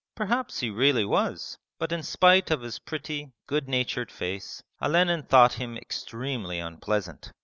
Perhaps he really was; but in spite of his pretty, good natured face, Olenin thought him extremely unpleasant.